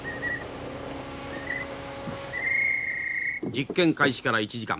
実験開始から１時間。